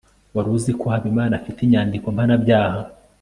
wari uzi ko habimana afite inyandiko mpanabyaha